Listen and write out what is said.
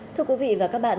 thưa quý vị và các bạn